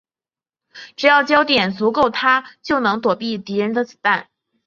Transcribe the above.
只要焦点足够她就能躲避敌人的子弹。